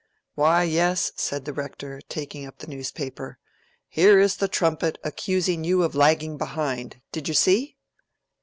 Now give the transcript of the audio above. "Why, yes," said the Rector, taking up the newspaper. "Here is the 'Trumpet' accusing you of lagging behind—did you see?"